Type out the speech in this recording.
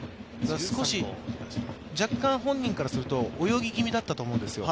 若干本人からすると泳ぎ気味だったと思うんですよ。